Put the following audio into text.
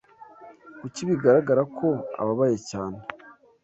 Kuki bigaragara ko ababaye cyane?